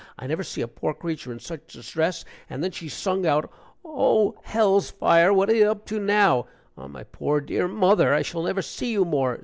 I never see a poor creature in such distress and then she sung out: 'O, H ll's fire! What are they up to now? Ah, my poor dear mother, I shall never see you more!'